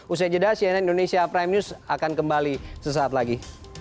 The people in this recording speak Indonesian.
usai jeda cnn indonesia prime news akan kembali sesaat lagi